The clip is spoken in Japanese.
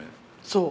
そう。